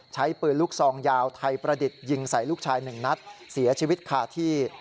ใช้ปืนลูกซองยาวไทยประดิษฐ์ยิงใส่ลูกชายหนึ่งนัดเสียชีวิตคาที่